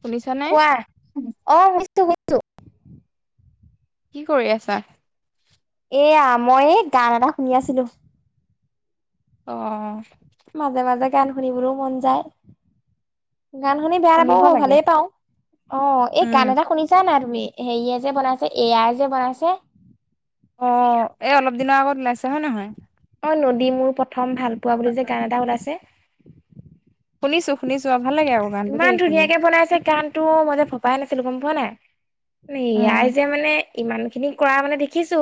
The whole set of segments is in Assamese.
শুনিছা নে। গ [unintelligible] কি কৰি আছা। এয়া মই গান এটা শুনি আছিলো। অহ মাজে মাজে গান শুনিবলৈও মন যায়। গান শুনি বেয়া শুনিব নাপাওঁ লাগে। ভালেই পাওঁ অ এই উম, গান এটা শুনিছা নাই। হেৰিয়ে যে বনাইছে এআই যে বনাইছে। অ এই অলপ দিনৰ আগত ওলাইছে হয় নহয়। অ নদী মোৰ প্ৰথম ভাল পোৱা বুলি যে গান এটা ওলাইছে। শুনিছোঁ শুনিছোঁ ইমান ধুনীয়াকে বনাইছে গানতটো মই যে ভবাই নাছিলো গম পোৱা নাই। এই উম, আই যে মানে। ইমান খিনি কৰা মানে দেখিছো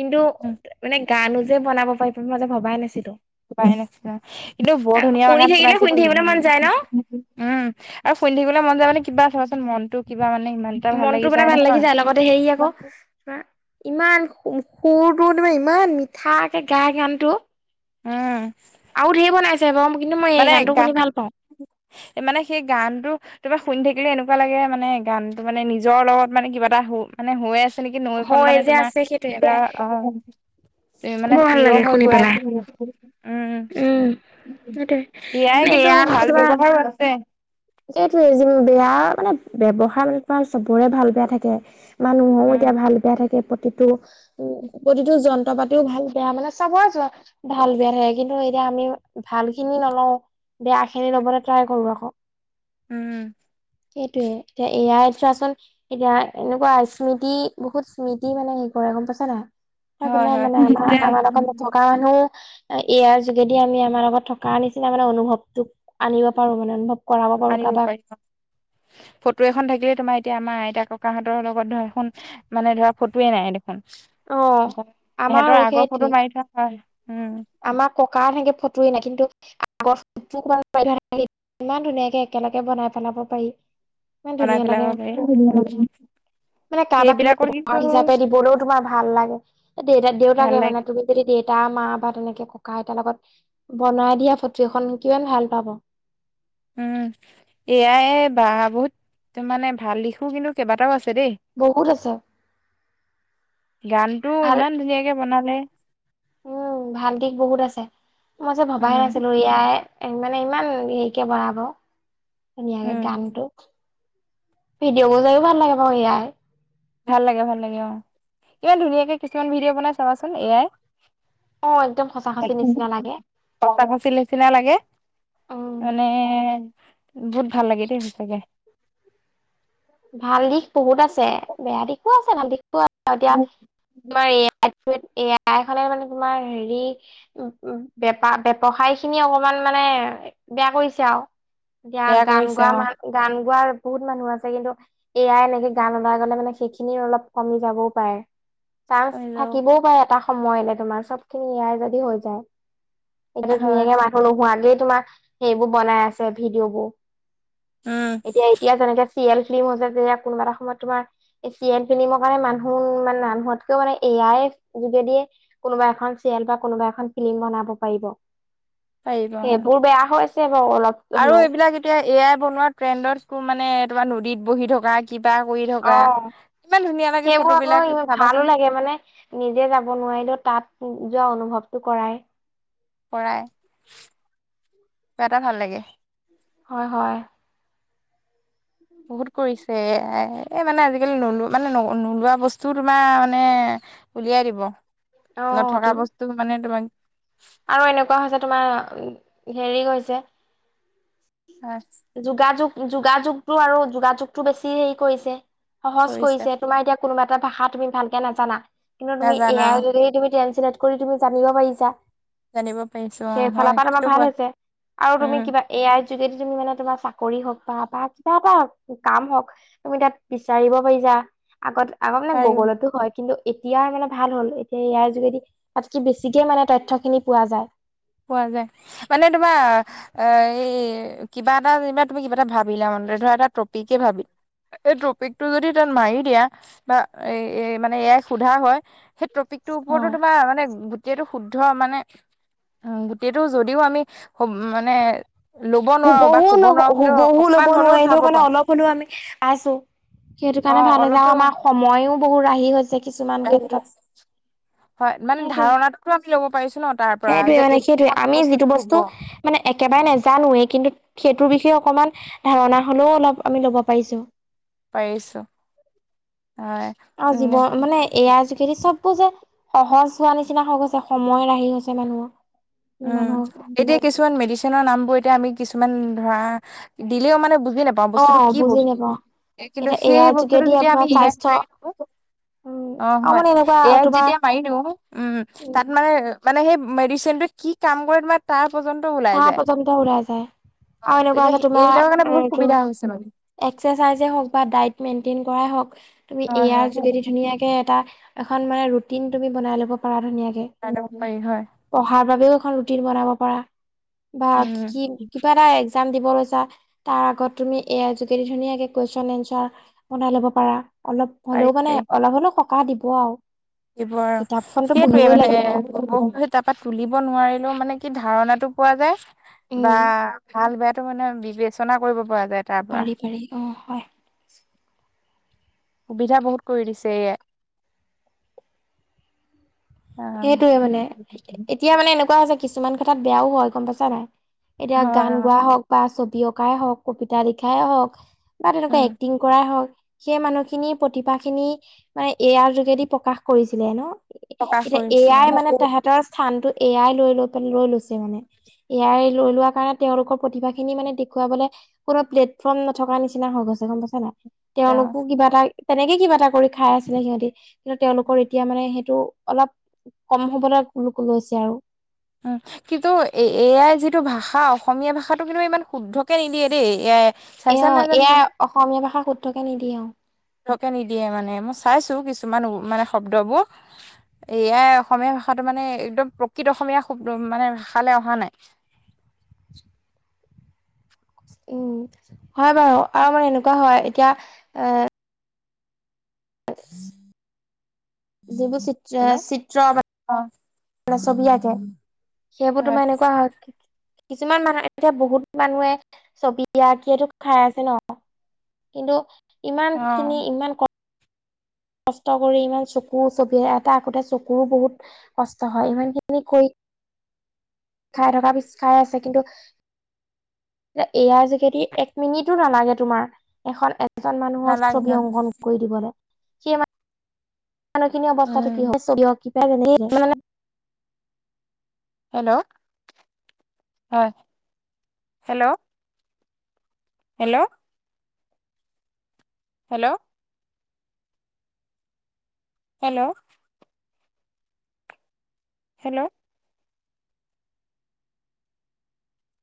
কিন্তু মানে গানো যে বনাব পাৰিব মই যে ভবাই নাছিলো। পাৰে হেনো কিন্তু বৰ ধুনীয়া শুনি গান থাকিলে চাইছে শুনি উম থাকিবলৈ মন যায় ন আৰু শুনি থাকিবলৈ মন যায় মানে কিবা ধৰচোন মনতটো মনটো মানে ভাল লাগি যায় লগতে হেৰি আকৌ তোমাৰ ইমান সুৰটো তোমে ইমান মিঠাকে গায় গানটো উম আৰু ধেৰি বনাইছে কিন্তু মই এই মানে গানটো গান শুনি ভাল পাওঁ মানে সেই গানটো তোমাৰ শুনি থাকিব এনেকুৱা লাগে মানে গানতটো মানে নিজৰ লগত মানে কিবা এটা মানে হৈ আছে যেনেকে নৈখন হয় মানে যে তোমাৰ আছে সেইটোয়ে এ মানে অ তুমি মানে বৰ ভাল প্ৰিয় লাগে হৈ শুনি গৈ পেলাই আছে উম সেইটোয়ে এ আই মানে কিন্তু ভাল ব্যৱহাৰো আছে সেইটোৱে বেয়া মানে ব্যৱহাৰ মানে তোমাৰ চবৰে ভাল বেয়া থাকে মানুহও উম এতিয়া ভাল বেয়া থাকে প্ৰতিটো উ প্ৰতিটো জন্ত বহুত ভাল বেয়া মানে চাব যোৱা ভাল বেয়া থাকে কিন্তু এতিয়া আমি ভাল খিনি নলোওঁ বেয়া খিনি লবলে ট্ৰাই কৰো আকৌ উম সেইটোয়ে এতিয়া এ আই চোৱাচোন এতিয়া এনেকুৱা স্মৃতি বহুত স্মৃতি মানে হে কৰে গম পাইছা নাই হয় হয় মানে আমাৰ এতিয়া আমাৰ এ থকা মানুহ [unintelligible] এই আই যোগেদি আমি আমাৰ লগত থকা নিচিনা মানে অনুভৱটো আনিব পাৰো মানে অনুভৱ কৰা আনিব পাৰিব ফটো এখন থাকিলে তোমাৰ এতিয়া মা আইতা ককাহঁতৰ লগত ধৰা এখন মানে ধৰা ফটোয়ে নাই দেখোন অ সিহঁতৰ আমাৰো আগৰ সেইটোৱে ফটো মাৰি থোৱা হয় উম আমাৰ ককা থাকিও ফটো এ নাই কিন্তু আমাৰ ইমান ধুনীয়াকে একেলগে বনাই পেলাব পাৰি ইমান বনাই ধুনীয়া পেলাব লাগে পাৰি আকৌ মানে কাৰোবাক তুমি সেইবিলাকৰ কিন্তু উপহাৰ হিচাপে দিবলৈও তোমাৰ ভাল লাগে দেউতা ভাল দেউতাকে মানে লাগে তুমি যদি দেউতা বা তেনেকে ককা আইতাৰ লগত বনাই দিয়া ফটো এখন কিমান ভাল পাব উম এয়াই বা বহুত মানে ভাল দিশো কিন্তু কেইবাটাও আছে দেই বহুত আছে গানটো ভাল ইমান ধুনীয়াকে বনালে উম ভাল দিশ বহুত আছে মই যে ভবাহে উম নাছিলো ইয়াই মানে ইমান হেৰিকে বঢ়াব ধুনীয়াকে উম গানটো ভিডিঅ' বজাইও ভাল লাগে বাৰু ইয়াই ভাল লাগে ভাল লাগে অ ইমান ধুনীয়াকে কিছুমান ভিডিঅ' বনাই চাবাচোন এ আই অ একদম সঁচা সঁচি তাকে নিচিনা লাগে সঁচা সচিব নিচিনা লাগে উম মানে বহুত ভাল লাগে দেই সঁচাকে ভাল দিশ বহুত আছে বেয়া দিশো আছে ভাল দিশ এতিয়া তোমাৰ এয়াই এয়াই খনে মানে তোমাৰ হেৰি বেপা ব্যৱসায় খিনি অকমান মানে বেয়া কৰিছে আৰু এতিয়া বেয়া গান কৰিছে গোৱা অ মান গান গোৱাৰ বহুত মানুহ আছে কিন্তু এয়াই এনেকে গান ওলাই গলে মানে সেইখিনি অলপ কমি যাবও পাৰে চানস নিজেও থাকিবও পাৰে এটা সময়লে তোমাৰ চব খিনি ইয়াই যদি হৈ যায় সেই হয় ধুনীয়াকে মানুহ নোহোৱাকেই তোমাৰ সেইবোৰ বনাই আছে ভিডিঅ' বোৰ উম এতিয়া এতিয়া তেনেকে চিয়েল ফিল্ম হৈছে যেয়া কোনোবা এটা সময়ত তোমাৰ এছিয়ান ফিল্মৰ কাৰণে মানুহ মানে মানুহতকেও মানে এয়াই যোগেদিয়ে কোনোবা এখন চিৰিয়েল বা কোনোবা এখন ফিল্ম বনাব পাৰিব পাৰিব অ এইবোৰ বেয়া হৈছে বাৰু অলপ আৰু হ'লেও এইবিলাক এতিয়া এ আই বনোৱা ট্ৰেণ্ডত স্কুৰ মানে তোমাৰ নদীত বহি থকা কিবা কৰি থকা ইমান ধুনীয়া লাগে ফটো সেইবোৰ বিলাক আকৌ ভালো চাবাচোন লাগে মানে নিজে যাব নোৱাৰিলেও তাত যোৱা অনুভৱটো কৰাই কৰাই কিবা এটা ভাল লাগে হয় হয় বহুত কৰিছে এ মানে আজিকালি নোলোৱা মানে নোলোৱা বস্তুও তোমাৰ মানে উলিয়াই দিব অ তো নথকা বস্তু মানে তোমাক আৰু এনেকুৱা হৈছে তোমাৰ হেৰি হৈছে অ যোগাযোগ যোগাযোগতটো আৰু যোগাযোগতটো বেছি হেৰি কৰিছে সহজ কৰিছে তোমাৰ এতিয়া কোনোবা এটা ভাষা তুমি ভালকে নাজানা কিন্তু তুমি নাজানা এয়া যদি তুমি, চিলেক্ট কৰি তুমি জানিব পাৰিছা। জানিব পাৰিছো অ সেই ফালৰ হয় পৰা তোমাৰ সেইটো ভাল হয় হৈছে আৰু তুমি উম কিবা এ আইৰ যোগেদি তুমি মানে তোমাৰ চাকৰি হওক বা বা কিবা এটা কাম হওক তুমি তাত বিচাৰিব পাৰিছা। আগত আগত মানে পাৰি গুগলটো হয় কিন্তু এতিয়া মানে ভাল হ'ল এতিয়া ইয়াৰ যোগেদি তাত কি বেছিকে মানে তথ্যখিনি পোৱা যায় পোৱা যায় মানে তোমাৰ অ এই কিবা এটা যেনিবা তুমি কিবা এটা ভাবিলা মানে ধৰা এটা টপিকে ভাবি এই ট্ৰপিক টো যদি তাত মাৰি দিয়া বা এ মানে এয়াই সোধা হয় সেই টপিকটোৰ ওপৰতো অ'। তোমাৰ মানে গোটেইটো শুদ্ধ মানে গোটেতটো যদিও আমি মানে ল'ব নোৱাৰো বা শুবহো ক'ব নোৱাৰো কিন্তু শুবহো ল'ব অকমান হ'লেও নোৱাৰিলেও উঠাব মানে পাৰো অলপ হলেও আমি আছো সেইটো অ কাৰণে ভাল য অলপতো আৰু আমাৰ সময়ো বহু ৰাহি হৈছে কিছুমান ক্ষেত্ৰত হয় মানে ধাৰণাটোতো আমি ল'ব পাৰিছো ন তাত সেইটয়ে মানে সেইটয়ে আমি যিটো বস্তু মানে একেবাৰে নেজানোৱে কিন্তু সেইটোৰ বিষয়ে অকমান ধাৰণা হলেও অলপ আমি ল'ব পাৰিছো পাৰিছো হয় অ উম জীৱন মানে এয়া যোগেদি চববো যে সহজ হোৱা নিচিনা হৈ গৈছে সময় ৰাহি হৈছে মানুহৰ মানুহৰ উম এতিয়া কিছুমান মেডিচিনৰ নাম বোৰ এতিয়া আমি কিছুমান ধৰা দিলেও মানে বুজি নাপাওঁ বস্তুটো অ কি বুজি বস্তু নাপাওঁ কিন্তু এতিয়া সেই এয়াৰ বস্তুটো যোগেদি যেতিয়া আমি আপোনাৰ স্বাস্থ্য উম অ আৰু হয় মানে এনেকুৱা এয় তোমাৰ যেতিয়া মাৰিলো উম তাত মানে মানে সেই মেডিচিনটো কি কাম কৰে তোমাৰ তাৰ পৰ্যন্ত ওলাই তাহ যায়। পৰ্যন্ত ওলাই যায় অ আৰু এনেকুৱা তেতিয়া আছে সে- তোমাৰ এইবিলাকৰ কাৰণে বহুত এইটো সুবিধা হৈছে মানে। এক্সেচাইজ এ হওক বা দাইত মেইনটেইন কৰাই হওঁক তুমি হয় এয়াৰ হয় যোগেদি ধুনীয়াকে এটা এখন মানে ৰুটিন তুমি বনাই ল'ব পাৰা ধুনীয়াক কে, লগাই লব পাৰি হয়। পঢ়াৰ বাবেও এখন ৰুটিন বনাব পাৰা। বা কি উম, কিবা এটা একজাম দিব লৈ বা তাৰ আগত তুমি এ আই যোগেদি ধুনীয়াকে কুৱেশন এনচাৰ বনাই লব পাৰা। অলপ পাৰি হলেও মানে পাৰি অলপ হ'লেও সকাহ দিব আৰু। দিব আৰু কিতাপখনতো সেইটোৱে পঢ়িবই লাগিব মানে তাৰাপৰা তুলিব নোৱাৰিলেও মানে কি ধাৰণাটো পোৱা যায় উম বা ভাল বেয়াটো মানে বিবেচনা কৰিব পৰা যায় তাৰ পৰা। পাৰি পাৰি অ হয়। সুবিধা বহুত কৰি দিছে এ আই। অ' সেইটোয়ে মানে, এতিয়া মানে এনেকুৱা যে কিছুমান কথাত বেয়াও হয় গম পাইছা নাই? এতিয়া হয় গান অ' গোৱাই হওক বা ছবি অঁকাই হওক, কবিতা লিখাই হওক বা তেনেকুৱা উম, এক্টিং কৰাই হওক সেই মানুহখিনিৰ প্ৰতিভাখিনি মানে এ আইৰ যোগেদি প্ৰকাশ কৰিছিলে ন। প্ৰকাশ এতিয়া এ কৰিছে। আই মানে তেহেতৰ স্থানটো এ আই লৈ লৈ প লৈ লৈছে মানে। এ আই লৈ লোৱা কাৰণে তেওঁলোকৰ প্ৰতিভা খিনি মানে দেখুৱাবলে কোনো প্লেটফৰ্ম নথকা নিচিনা হৈ গল। পখন পচ না [inaudible] তেওঁ। তেওঁলোকো কিবা এটা তেনেকে কিবা এটা কৰি খাই আছিলে সিহঁতি কিন্তু তেওঁলোকৰ এতিয়া মানে হে টো অলপ কম হ'বলত লৈছে আৰু। উম কিন্তু এ এ আই যিটো ভাষা অসমীয়া ভাষাটো কিন্তু ইমান শুদ্ধকে নিদিয়ে দেই A I. A O A I অসমীয়া ভাষা শুদ্ধকে নিদিয়ে অ। শকে নিদিয়ে মানে মই চাইছো কিছুমান মানে শব্দবোৰ এ আই অসমীয়া ভাষাটো মানে একদম প্ৰকৃত অসমীয়া শব্দ মানে ভাষালৈ অহা নাই। [inaudible] উম, হয় বাৰু আৰু আমাৰ এনেকুৱা হয় এতিয়া এ হয়। যিবোৰ চি হেল্ল' চিত্ৰ আ অ মানে ছবি আঁকে, সেইবোৰ হয় তোমাৰ এনেকুৱা হয় কিছুমান মানুহ এতিয়া বহুত মানুহে ছবি আঁকিটো খাই আছে ন। কিন্তু ইমান অ খিনি ইমান ক কষ্ট কৰি ইমান চকুৰ ছবি এটা আকোতে চকুৰো বহুত কষ্ট হয়। ইমান খিনি কৰি খাই থকা পিছ খাই আছে কিন্তু এ এ আই যোগেদি এক মিনিটো নালাগে তোমাৰ, এখন এ এজন মানুহৰ নালাগে ন ছবি অংকন কৰি দিবলৈ, সেই মান মানুহখিনি উম অৱস্থাটো কি কি জান [inaudible] হেল্ল', হয় hello? Hello? Hello? Hello? Hello?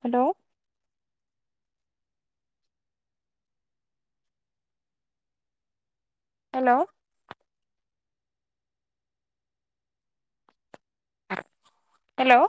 Hello? Hello? Hello?